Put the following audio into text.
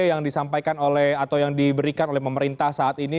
yang disampaikan oleh atau yang diberikan oleh pemerintah saat ini